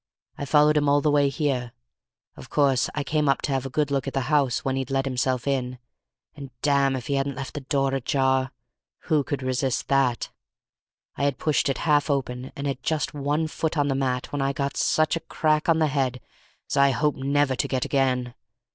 I followed him all the way here. Of course I came up to have a good look at the house when he'd let himself in, and damme if he hadn't left the door ajar! Who could resist that? I had pushed it half open and had just one foot on the mat when I got such a crack on the head as I hope never to get again.